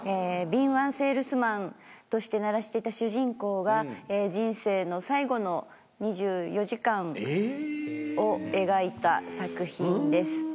敏腕セールスマンとして鳴らしていた主人公が人生の最後の２４時間を描いた作品です。